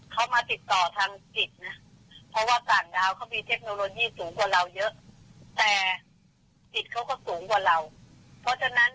แกไปเห็นเขาไม่ได้หรอกเพราะว่าเขาอยู่ในกายละเอียด